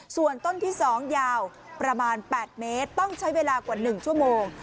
ส่วนต้นที่๒ยาวประมาณ๘เมตรต้องใช้เวลากว่า๑ชั่วโมง